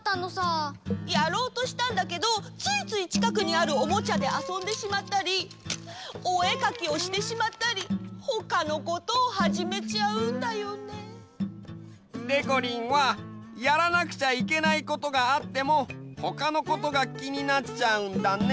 やろうとしたんだけどついついちかくにあるオモチャであそんでしまったりおえかきをしてしまったりほかのことをはじめちゃうんだよね。でこりんはやらなくちゃいけないことがあってもほかのことがきになっちゃうんだね。